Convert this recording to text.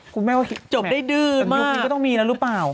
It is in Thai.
คุณแม่ว่าจบได้ดื่นยุคนี้ก็ต้องมีแล้วหรือเปล่า